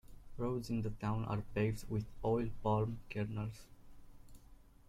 Roads in the town are paved with oil palm kernels.